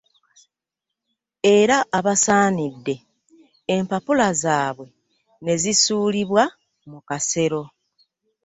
Era abasaanidde empapula zaabwe ne zisuulibwa mu kasero